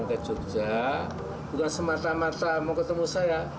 itu juga semata mata mau ketemu saya